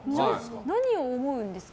何を思うんですか？